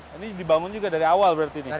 ini dibangun juga dari awal berarti ini